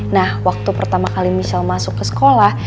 nah waktu pertama kali michelle masuk ke sekolah